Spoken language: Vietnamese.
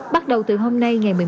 bắt đầu từ hôm nay ngày một mươi một